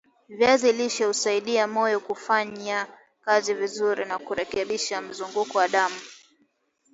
viazi lishe husaidia moyo kufanyakazi vizuri na kurekebisha mzunguko wa damu